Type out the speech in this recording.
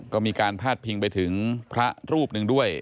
ก็มีการพาดพิงไปถึงพระรูปหนึ่งด้วย